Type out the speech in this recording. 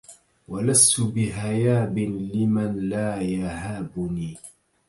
وَلَستُ بِهَيّابٍ لِمَن لا يَهابُني